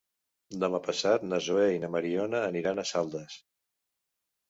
Demà passat na Zoè i na Mariona aniran a Saldes.